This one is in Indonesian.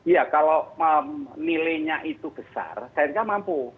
ya kalau nilainya itu besar saya tidak mampu